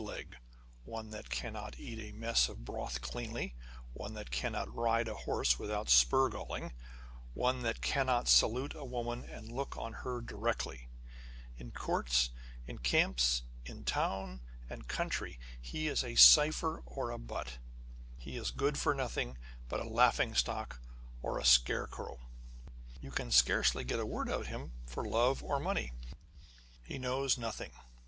leg, one that cannot eat a mess of broth cleanly, one that cannot ride a horse without spur galling, one that cannot salute a woman, and look on her directly :" â€" in courts, in camps, in town and country, he is a cypher or a butt : he is good for nothing but a laughing stock or a scarecrow. You can scarcely get a word out of him for love or money. He knows nothing.